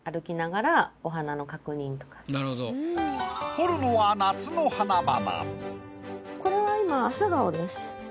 彫るのは夏の花々。